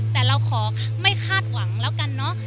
แต่เราขอไม่คาดหวังแล้วกันเนอะ